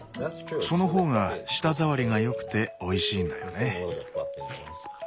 その方が舌触りが良くておいしいんだよね。